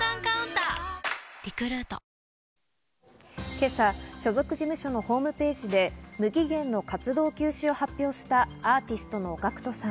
今朝、所属事務所のホームページで無期限の活動休止を発表した、アーティストのＧＡＣＫＴさん。